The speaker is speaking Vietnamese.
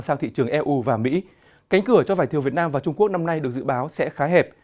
sang thị trường eu và mỹ cánh cửa cho vải thiều việt nam và trung quốc năm nay được dự báo sẽ khá hẹp